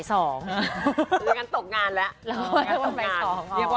อย่างนั้นตกงานแล้ว